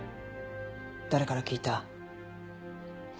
誰から聞いた？